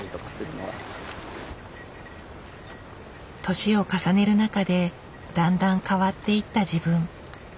年を重ねる中でだんだん変わっていった自分。